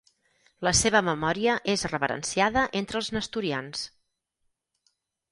La seva memòria és reverenciada entre els nestorians.